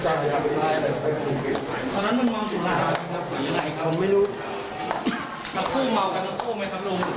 เพราะฉะนั้นมันมอบกันมากสำหรับไม่รู้ว่ามันมอกันแล้วโก้ไหมครับลุก